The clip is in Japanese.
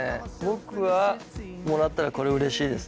僕はもらったらこれうれしいですね。